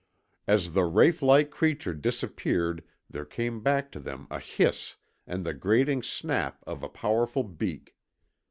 As the wraith like creature disappeared there came back to them a hiss and the grating snap of a powerful beak.